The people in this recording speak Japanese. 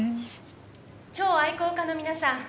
蝶愛好家の皆さん